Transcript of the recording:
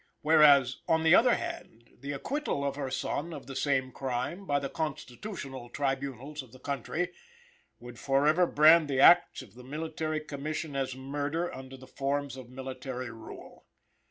Whereas, on the other hand, the acquittal of her son of the same crime, by the constitutional tribunals of the country, would forever brand the acts of the Military Commission as murder under the forms of military rule.